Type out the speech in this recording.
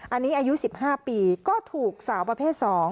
อันนี้อายุ๑๕ปีก็ถูกสาวประเภท๒